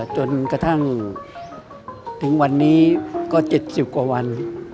จนกระทั่งถึงวันนี้ก็๗๐กว่าวัน